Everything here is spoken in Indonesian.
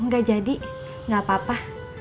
gak jadi gak apa apa